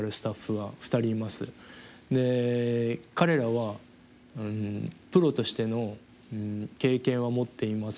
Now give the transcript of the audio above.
彼らはプロとしての経験は持っていません。